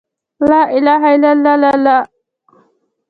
«لا اله الا الله» له «لا حاکم الا الله» سره تفسیر کړه.